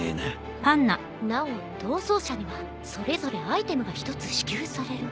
なお逃走者にはそれぞれアイテムが一つ支給される。